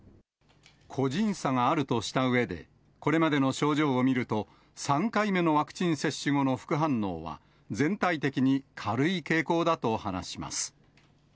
個人差があるとしたうえで、これまでの症状を見ると、３回目のワクチン接種後の副反応は、全体的に軽い傾向だと話します。